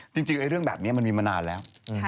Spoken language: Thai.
จริงเรื่องแบบนี้มันมีมานานแล้ว